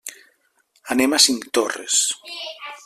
Anem a Cinctorres.